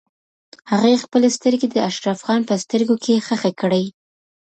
هغې خپلې سترګې د اشرف خان په سترګو کې ښخې کړې.